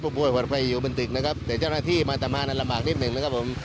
ผู้ป่วยปลอดภัยอยู่บนตึกนะครับแต่เจ้าหน้าที่มาต่อมาน่ารับหมากนิดหนึ่งนะครับผม